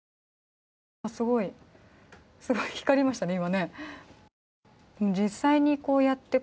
すごい、光りましたね